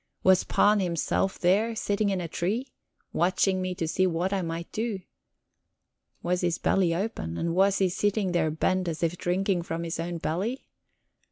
Was Pan himself there, sitting in a tree, watching me to see what I might do? Was his belly open, and he sitting there bent over as if drinking from his own belly?